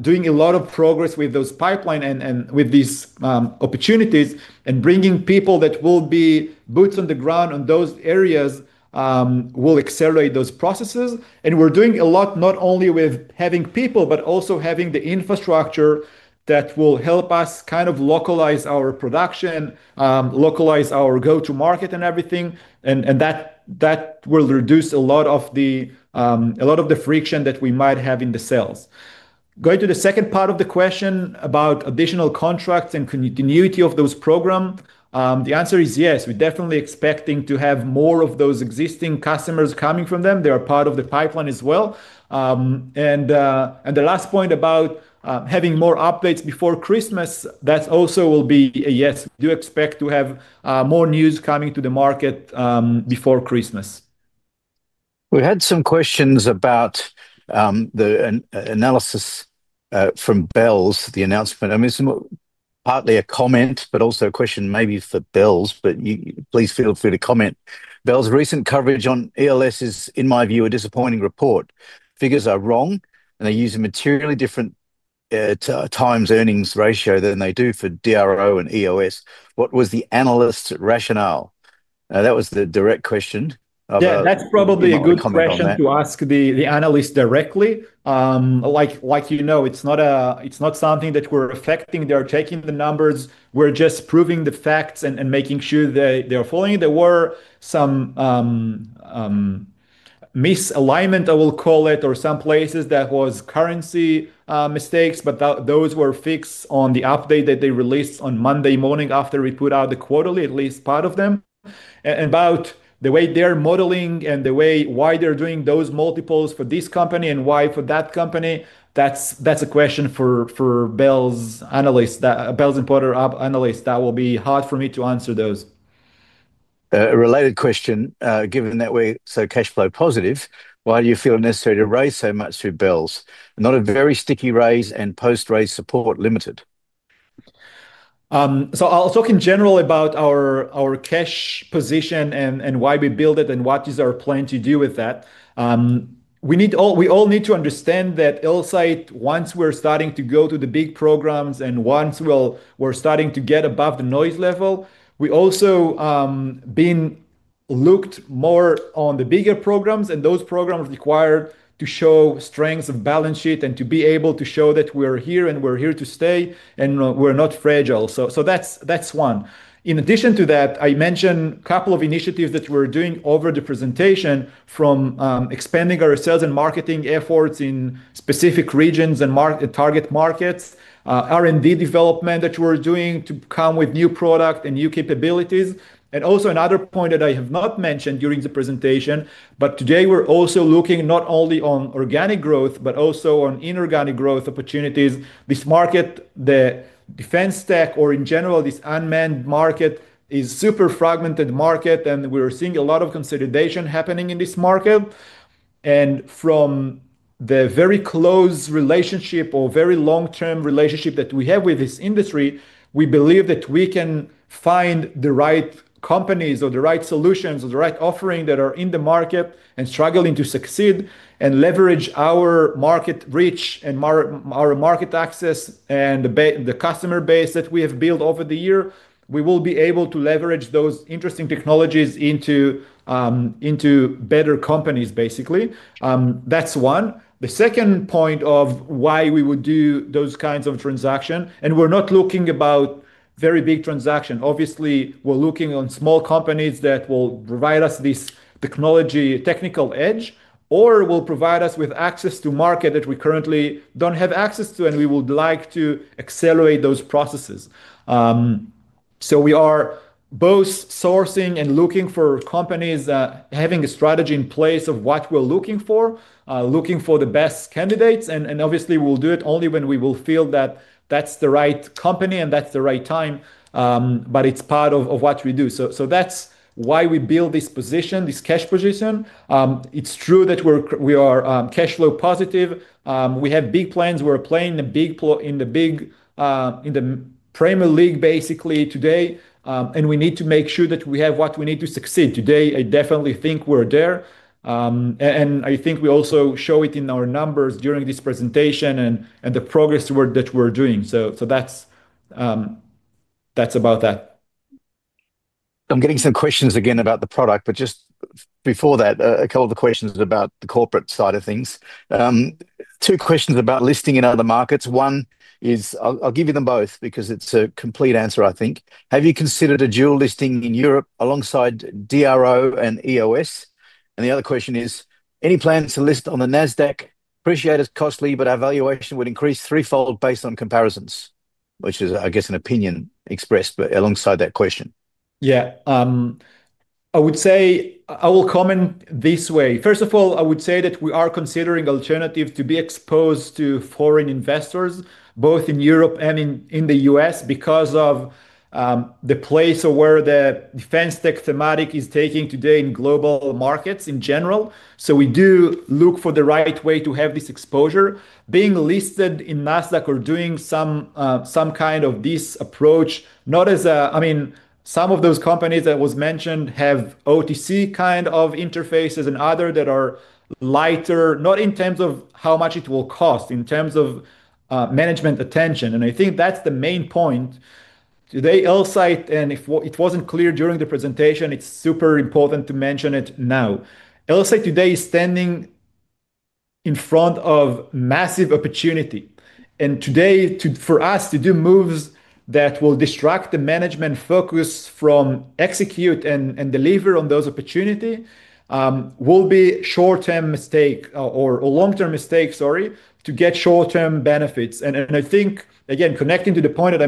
[SPEAKER 2] doing a lot of progress with those pipelines and with these opportunities. Bringing people that will be boots on the ground in those areas will accelerate those processes. We're doing a lot not only with having people, but also having the infrastructure that will help us kind of localize our production, localize our go-to-market and everything. That will reduce a lot of the friction that we might have in the sales. Going to the second part of the question about additional contracts and continuity of those programs, the answer is yes. We're definitely expecting to have more of those existing customers coming from them. They are part of the pipeline as well. The last point about having more updates before Christmas, that also will be a yes. We do expect to have more news coming to the market before Christmas.
[SPEAKER 1] We had some questions about the analysis from Bells, the announcement. It's partly a comment, but also a question maybe for Bells. Please feel free to comment. Bells' recent coverage on ELS is, in my view, a disappointing report. Figures are wrong, and they use a materially different times earnings ratio than they do for DRO and EOS. What was the analyst's rationale? That was the direct question about.
[SPEAKER 2] Yeah, that's probably a good question to ask the analyst directly. You know, it's not something that we're affecting. They're taking the numbers. We're just proving the facts and making sure they're following. There were some misalignments, I will call it, or some places that were currency mistakes. Those were fixed on the update that they released on Monday morning after we put out the quarterly, at least part of them. About the way they're modeling and why they're doing those multiples for this company and why for that company, that's a question for Bell's imported analysts. That will be hard for me to answer those.
[SPEAKER 1] A related question, given that we're so cash flow positive, why do you feel it's necessary to raise so much through Bells? Not a very sticky raise, and post-raise support limited.
[SPEAKER 2] I'll talk in general about our cash position and why we build it and what is our plan to do with that. We all need to understand that Elsight, once we're starting to go to the big programs and once we're starting to get above the noise level, we're also being looked more on the bigger programs. Those programs require to show strengths of balance sheet and to be able to show that we're here and we're here to stay and we're not fragile. That's one. In addition to that, I mentioned a couple of initiatives that we're doing over the presentation, from expanding our sales and marketing efforts in specific regions and target markets, R&D development that we're doing to come with new products and new capabilities. Also, another point that I have not mentioned during the presentation, today we're also looking not only on organic growth, but also on inorganic growth opportunities. This market, the defense stack, or in general, this unmanned market is a super fragmented market. We're seeing a lot of consolidation happening in this market. From the very close relationship or very long-term relationship that we have with this industry, we believe that we can find the right companies or the right solutions or the right offerings that are in the market and struggling to succeed and leverage our market reach and our market access and the customer base that we have built over the year. We will be able to leverage those interesting technologies into better companies, basically. That's one. The second point of why we would do those kinds of transactions, we're not looking about very big transactions. Obviously, we're looking on small companies that will provide us this technical edge or will provide us with access to markets that we currently don't have access to. We would like to accelerate those processes. We are both sourcing and looking for companies having a strategy in place of what we're looking for, looking for the best candidates. Obviously, we'll do it only when we will feel that that's the right company and that's the right time. It's part of what we do. That's why we build this position, this cash position. It's true that we are cash flow positive. We have big plans. We're playing in the big Premier League, basically, today. We need to make sure that we have what we need to succeed. Today, I definitely think we're there. I think we also show it in our numbers during this presentation and the progress that we're doing. That's about that.
[SPEAKER 1] I'm getting some questions again about the product. Just before that, a couple of questions about the corporate side of things. Two questions about listing in other markets. One is, have you considered a dual listing in Europe alongside DRO and EOS? The other question is, any plans to list on the NASDAQ? Appreciate it's costly, but our valuation would increase threefold based on comparisons, which is, I guess, an opinion expressed alongside that question.
[SPEAKER 2] Yeah. I would say I will comment this way. First of all, I would say that we are considering alternatives to be exposed to foreign investors, both in Europe and in the U.S., because of the place where the defense tech thematic is taking today in global markets in general. We do look for the right way to have this exposure. Being listed in NASDAQ or doing some kind of this approach, not as a, I mean, some of those companies that were mentioned have OTC kind of interfaces and others that are lighter, not in terms of how much it will cost, in terms of management attention. I think that's the main point. Today, Elsight, and if it wasn't clear during the presentation, it's super important to mention it now. Elsight today is standing in front of massive opportunity. For us to do moves that will distract the management focus from executing and delivering on those opportunities will be a short-term mistake or long-term mistake, sorry, to get short-term benefits. I think, again, connecting to the point that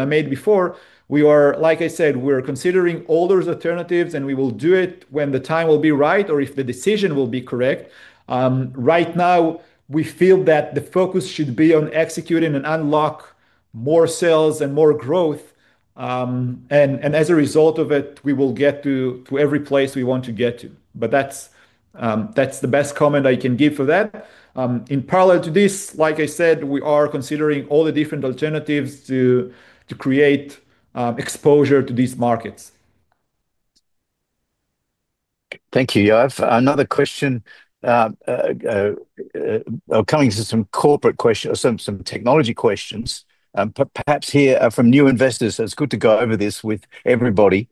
[SPEAKER 2] I made before, we are, like I said, we are considering all those alternatives. We will do it when the time will be right or if the decision will be correct. Right now, we feel that the focus should be on executing and unlocking more sales and more growth. As a result of it, we will get to every place we want to get to. That's the best comment I can give for that. In parallel to this, like I said, we are considering all the different alternatives to create exposure to these markets.
[SPEAKER 1] Thank you, Yoav. Another question, coming to some corporate questions or some technology questions, perhaps here from new investors. It's good to go over this with everybody.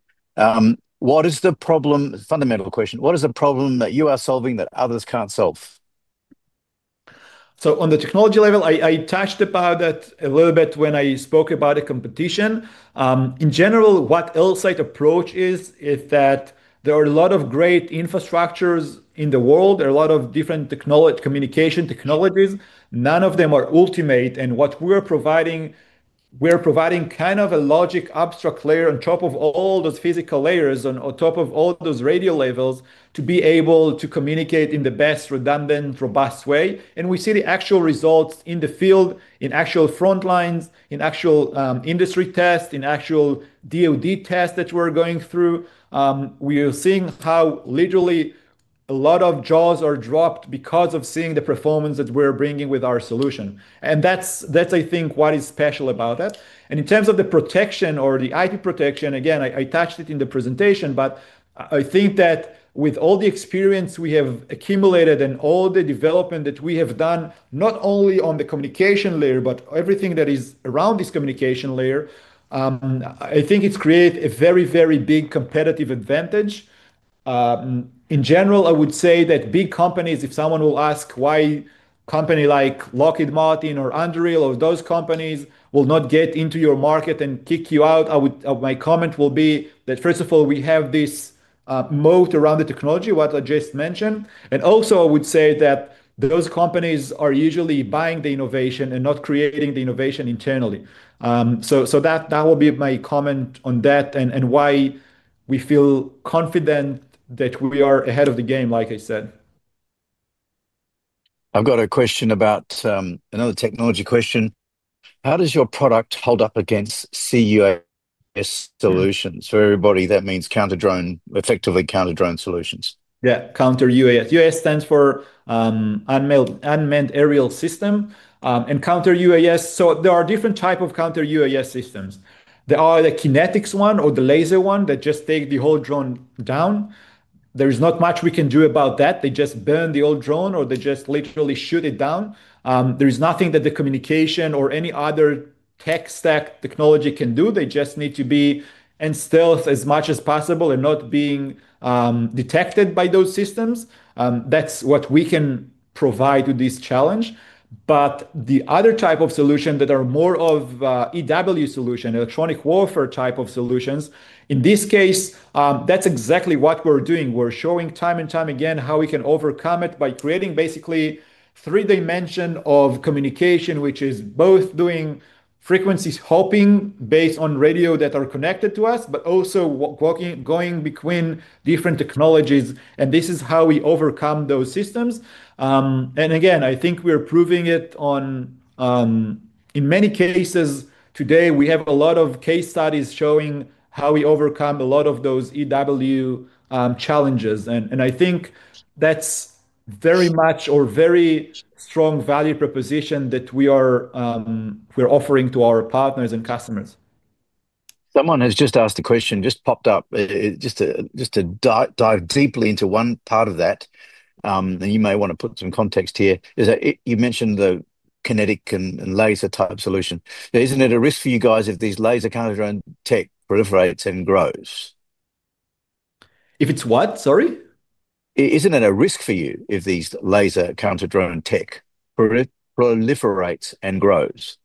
[SPEAKER 1] What is the problem, fundamental question, what is the problem that you are solving that others can't solve?
[SPEAKER 2] On the technology level, I touched upon it a little bit when I spoke about the competition. In general, what Elsight's approach is, is that there are a lot of great infrastructures in the world. There are a lot of different communication technologies. None of them are ultimate. What we're providing, we're providing kind of a logic abstract layer on top of all those physical layers, on top of all those radio levels, to be able to communicate in the best redundant, robust way. We see the actual results in the field, in actual front lines, in actual industry tests, in actual DOD tests that we're going through. We are seeing how literally a lot of jaws are dropped because of seeing the performance that we're bringing with our solution. That's, I think, what is special about it. In terms of the protection or the IP protection, again, I touched it in the presentation. I think that with all the experience we have accumulated and all the development that we have done, not only on the communication layer, but everything that is around this communication layer, I think it's created a very, very big competitive advantage. In general, I would say that big companies, if someone will ask why a company like Lockheed Martin or Anduril or those companies will not get into your market and kick you out, my comment will be that, first of all, we have this moat around the technology, what I just mentioned. Also, I would say that those companies are usually buying the innovation and not creating the innovation internally. That will be my comment on that and why we feel confident that we are ahead of the game, like I said.
[SPEAKER 1] I've got a question about another technology question. How does your product hold up against CUAS Solutions? For everybody, that means counter-drone, effectively counter-drone solutions.
[SPEAKER 2] Yeah, counter UAS. UAS stands for Unmanned Aerial System. Counter UAS, so there are different types of counter UAS systems. There are the kinetics one or the laser one that just take the whole drone down. There is not much we can do about that. They just burn the whole drone or they just literally shoot it down. There is nothing that the communication or any other tech stack technology can do. They just need to be in stealth as much as possible and not be detected by those systems. That's what we can provide with this challenge. The other type of solutions that are more of EW solutions, electronic warfare type of solutions, in this case, that's exactly what we're doing. We're showing time and time again how we can overcome it by creating basically three dimensions of communication, which is both doing frequencies hopping based on radio that are connected to us, but also going between different technologies. This is how we overcome those systems. I think we're proving it in many cases today. We have a lot of case studies showing how we overcome a lot of those EW challenges. I think that's very much a very strong value proposition that we're offering to our partners and customers.
[SPEAKER 1] Someone has just asked a question, just popped up, just to dive deeply into one part of that. You may want to put some context here. You mentioned the kinetic and laser type solution. Isn't it a risk for you guys if these laser counter-drone tech proliferates and grows?
[SPEAKER 2] If it's what, sorry?
[SPEAKER 1] Isn't it a risk for you if these laser counter-drone tech proliferates and grows?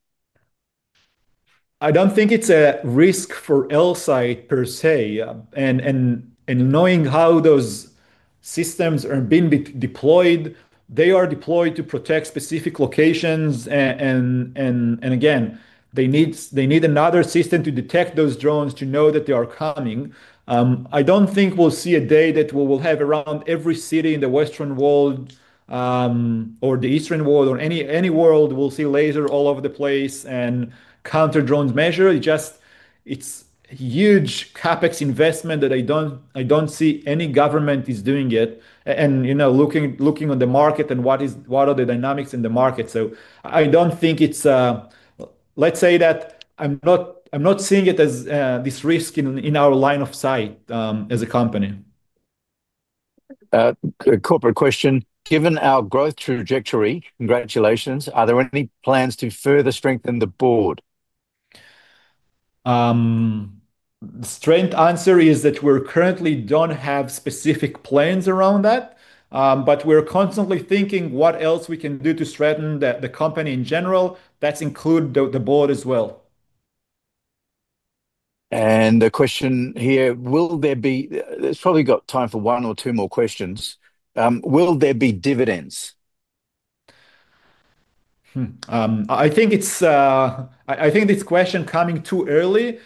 [SPEAKER 2] I don't think it's a risk for Elsight per se. Knowing how those systems are being deployed, they are deployed to protect specific locations. They need another system to detect those drones to know that they are coming. I don't think we'll see a day that we'll have around every city in the Western world or the Eastern world or any world, we'll see lasers all over the place and counter-drones measured. It's just a huge CapEx investment that I don't see any government is doing it. Looking at the market and what are the dynamics in the market, I don't think it's, let's say that I'm not seeing it as this risk in our line of sight as a company.
[SPEAKER 1] A corporate question. Given our growth trajectory, congratulations. Are there any plans to further strengthen the board?
[SPEAKER 2] The strength answer is that we currently don't have specific plans around that. We're constantly thinking what else we can do to strengthen the company in general. That includes the board as well.
[SPEAKER 1] The question here, will there be, it's probably got time for one or two more questions. Will there be dividends?
[SPEAKER 2] I think this question is coming too early.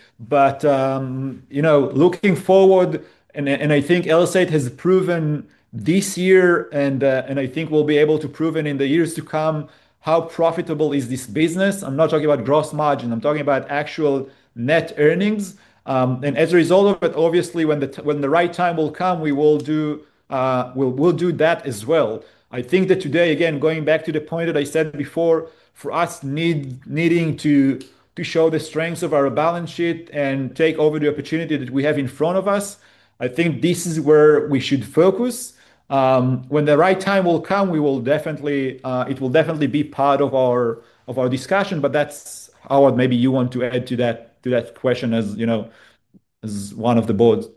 [SPEAKER 2] You know, looking forward, I think Elsight has proven this year, and I think we'll be able to prove in the years to come how profitable is this business. I'm not talking about gross margin. I'm talking about actual net earnings. As a result of it, obviously, when the right time will come, we will do that as well. I think that today, again, going back to the point that I said before, for us needing to show the strengths of our balance sheet and take over the opportunity that we have in front of us, I think this is where we should focus. When the right time will come, it will definitely be part of our discussion. Maybe you want to add to that question as one of the boards.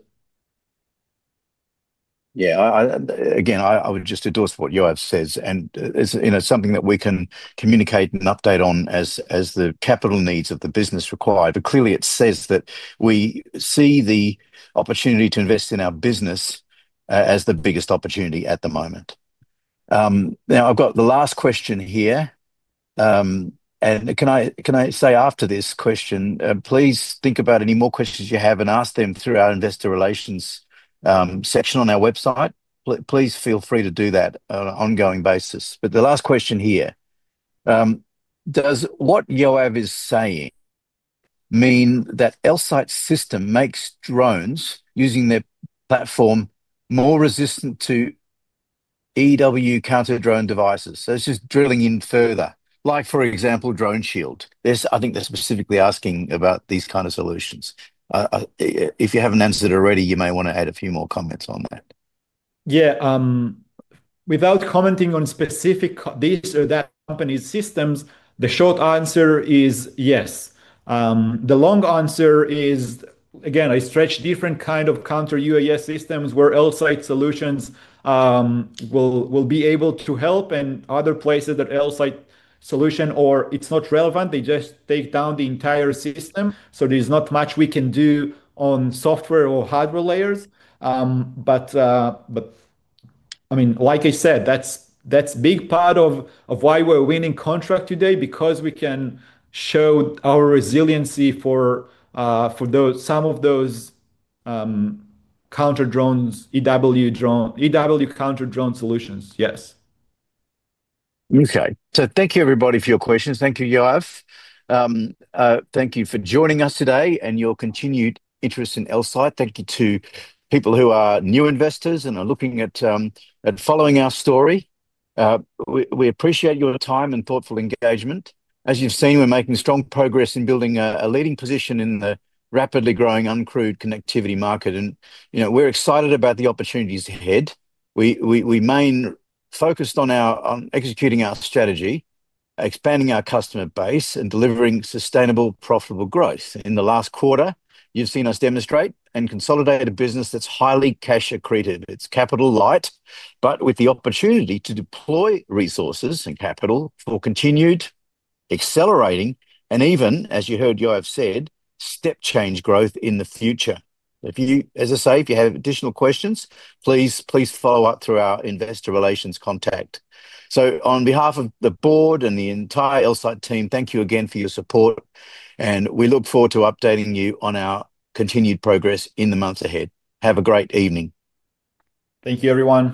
[SPEAKER 1] Yeah. I would just address what Yoav says. It's something that we can communicate and update on as the capital needs of the business require. Clearly, it says that we see the opportunity to invest in our business as the biggest opportunity at the moment. Now, I've got the last question here. After this question, please think about any more questions you have and ask them through our investor relations section on our website. Please feel free to do that on an ongoing basis. The last question here, does what Yoav is saying mean that Elsight's system makes drones using their platform more resistant to EW counter-drone devices? It's just drilling in further, like for example, DroneShield. I think they're specifically asking about these kinds of solutions. If you haven't answered it already, you may want to add a few more comments on that.
[SPEAKER 2] Yeah. Without commenting on specific these or that company's systems, the short answer is yes. The long answer is, again, I stretch different kinds of counter-UAS systems where Elsight's solutions will be able to help and other places that Elsight's solution or it's not relevant. They just take down the entire system, so there's not much we can do on software or hardware layers. I mean, like I said, that's a big part of why we're winning contracts today because we can show our resiliency for some of those counter-drones, EW counter-drone solutions. Yes.
[SPEAKER 1] Thank you, everybody, for your questions. Thank you, Yoav. Thank you for joining us today and your continued interest in Elsight. Thank you to people who are new investors and are looking at following our story. We appreciate your time and thoughtful engagement. As you've seen, we're making strong progress in building a leading position in the rapidly growing uncrewed connectivity market. We're excited about the opportunities ahead. We remain focused on executing our strategy, expanding our customer base, and delivering sustainable, profitable growth. In the last quarter, you've seen us demonstrate and consolidate a business that's highly cash accretive. It's capital light, but with the opportunity to deploy resources and capital for continued accelerating and even, as you heard Yoav said, step change growth in the future. If you have additional questions, please follow up through our investor relations contact. On behalf of the board and the entire Elsight team, thank you again for your support. We look forward to updating you on our continued progress in the months ahead. Have a great evening.
[SPEAKER 2] Thank you, everyone.